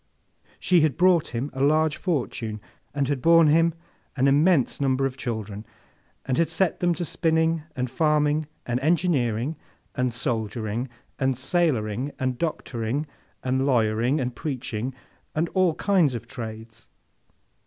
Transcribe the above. She had brought him a large fortune, and had borne him an immense number of children, and had set them to spinning, and farming, and engineering, and soldiering, and sailoring, and doctoring, and lawyering, and preaching, and all kinds of trades.